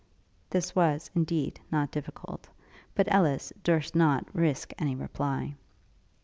This was, indeed, not difficult; but Ellis durst not risk any reply.